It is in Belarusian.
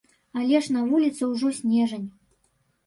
Але ж на вуліцы ўжо снежань.